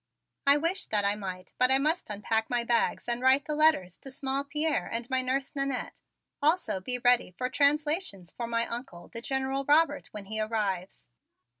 "I wish that I might, but I must unpack my bags and write the letters to small Pierre and my nurse Nannette; also be ready for translations for my Uncle, the General Robert, when he arrives.